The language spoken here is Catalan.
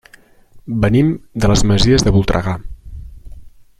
Venim de les Masies de Voltregà.